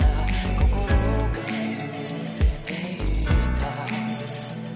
心が揺れていた」